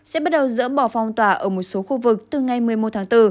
sẽ bắt đầu dỡ bỏ phong tỏa ở một số khu vực từ ngày một mươi một tháng bốn